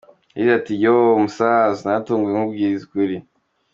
Yagize ati “Yooo Musaza naratunguwe nkubwize ukuri.